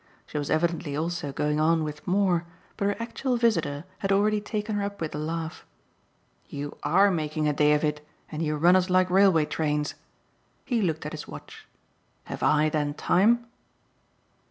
She was evidently also going on with more, but her actual visitor had already taken her up with a laugh. "You ARE making a day of it and you run us like railway trains!" He looked at his watch. "Have I then time?"